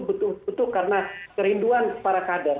betul betul karena kerinduan para kader